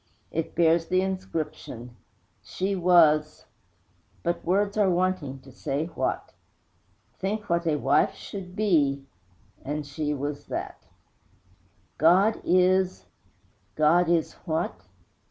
It bears the inscription: She was , But words are wanting to say what! Think what a wife should be And she was that! God is ! _God is what?